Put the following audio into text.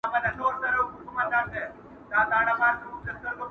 ما توبه نه ماتوله توبې خپله جام را ډک کړ,